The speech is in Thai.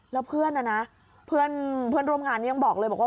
แล้วเพื่อนนะนะเพื่อนร่วมงานนี้ยังบอกเลยบอกว่า